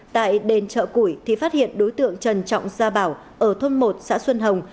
tại đền chợ củi thì phát hiện đối tượng trần trọng gia bảo ở thôn một xã xuân hồng